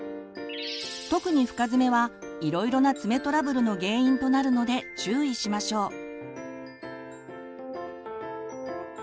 特に深爪はいろいろな爪トラブルの原因となるので注意しましょう。